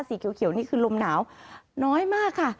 สีเขียวนี่คือลมหนาวน้อยมากค่ะ